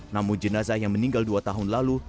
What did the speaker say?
namun jenazah yang meninggal dua tahun lalu